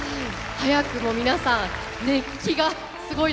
早くも皆さん熱気がすごいですね。